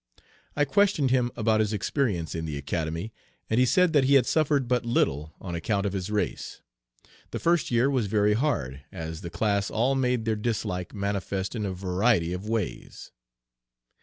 I questioned him about his experience in the Academy, And he said that he had suffered but little on account of his race. The first year was very hard, as the class all made their dislike manifest in a variety of ways.